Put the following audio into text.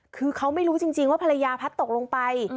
คือเขาไม่รู้จริงว่าภรรยาพัดตกลงไป